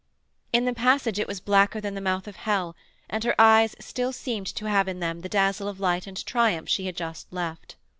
In the passage it was blacker than the mouth of hell, and her eyes still seemed to have in them the dazzle of light and triumph she had just left.